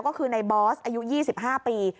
ก็คือในบอสอายุ๒๕ปี